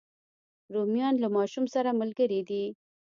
رومیان له ماشوم سره ملګري دي